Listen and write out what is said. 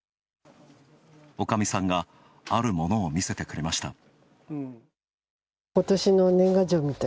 おかみさんが、あるものを見せてくれました。